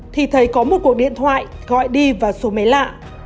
thì thầy có một cuộc điện thoại gọi đi vào số máy lạ